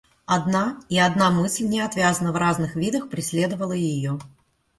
Одна и одна мысль неотвязно в разных видах преследовала ее.